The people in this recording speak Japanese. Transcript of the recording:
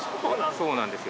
そうなんですよ。